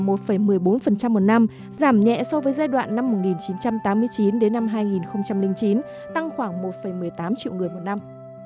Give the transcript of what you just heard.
một năm giảm nhẹ so với giai đoạn năm một nghìn chín trăm tám mươi chín đến năm hai nghìn chín tăng khoảng một một mươi tám triệu người một năm